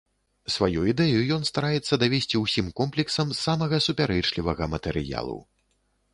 Сваю ідэю ён стараецца давесці ўсім комплексам самага супярэчлівага матэрыялу.